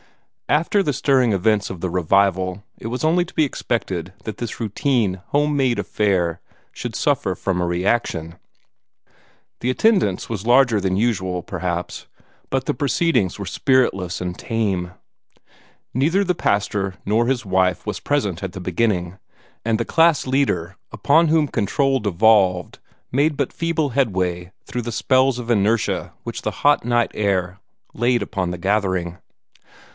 After the stirring events of the revival, it was only to be expected that this routine, home made affair should suffer from a reaction. The attendance was larger than usual, perhaps, but the proceedings were spiritless and tame. Neither the pastor nor his wife was present at the beginning, and the class leader upon whom control devolved made but feeble headway against the spell of inertia which the hot night air laid upon the gathering.